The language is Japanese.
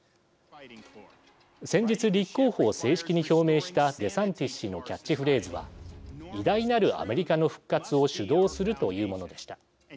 先日立候補を正式に表明したデサンティス氏のキャッチフレーズは偉大なるアメリカの復活を主導するというものでした。